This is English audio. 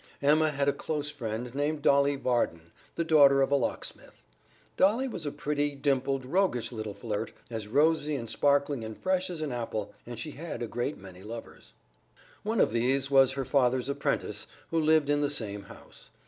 Emma had a close friend named Dolly Varden, the daughter of a locksmith. Dolly was a pretty, dimpled, roguish little flirt, as rosy and sparkling and fresh as an apple, and she had a great many lovers. One of these was her father's apprentice, who lived in the same house.